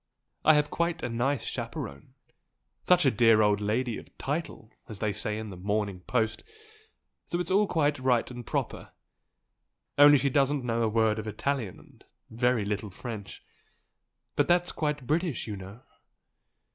I have quite a nice chaperone such a dear old English lady 'of title' as they say in the 'Morning Post' so it's all quite right and proper only she doesn't know a word of Italian and very little French. But that's quite British you know!"